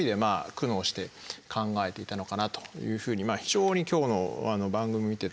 苦悩して考えていたのかなというふうに非常に今日の番組を見てて思いました。